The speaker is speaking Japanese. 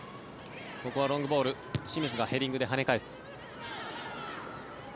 ここはロングボール清水がヘディングではね返す。